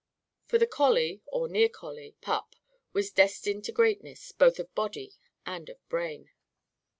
For the collie or near collie pup was destined to greatness, both of body and of brain.